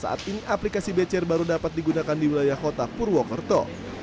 saat ini aplikasi bcr baru dapat digunakan di wilayah kota purwokerto